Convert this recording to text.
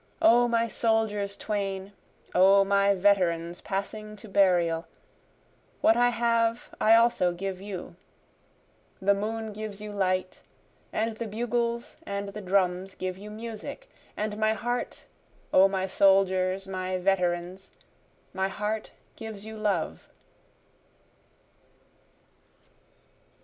O my soldiers twain! O my veterans passing to burial! What I have I also give you. The moon gives you light, And the bugles and the drums give you music, And my heart, O my soldiers, my veterans, My heart gives you love.